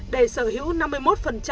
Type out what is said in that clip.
để sở hữu năm mươi một